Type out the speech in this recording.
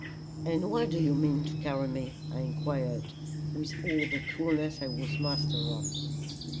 "And where do you mean to carry me?" I enquired, with all the coolness I was master of.